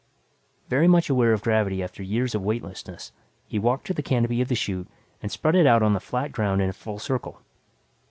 Very much aware of gravity after years of weightlessness, he walked to the canopy of the chute and spread it out on the flat ground in a full circle.